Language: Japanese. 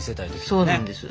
そうなんです。